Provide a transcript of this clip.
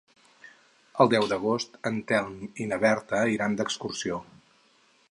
El deu d'agost en Telm i na Berta iran d'excursió.